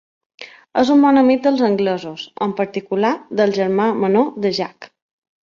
És un bon amic dels anglesos, en particular del germà menor de Jack.